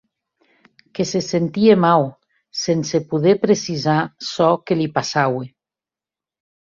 Que se sentie mau, sense poder precisar çò que li passaue.